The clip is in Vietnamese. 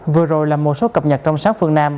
vừa rồi là một số cập nhật trong sáng phương nam